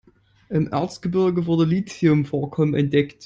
Im Erzgebirge wurden Lithium-Vorkommen entdeckt.